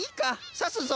さすぞ。